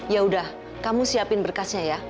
yaudah kamu siapin berkasnya ya